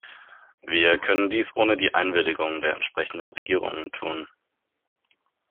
Wir können dies ohne die Einwilligung der entsprechenden Regierungen tun.